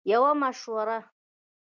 - یوه مشوره 💡